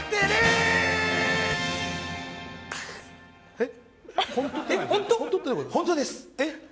えっ？